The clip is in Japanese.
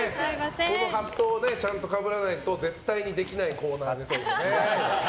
このハットをかぶらないと絶対にできないコーナーですよね。